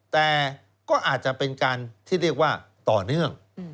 แต่ก็อาจจะเป็นการที่เรียกว่าต่อเนื่อง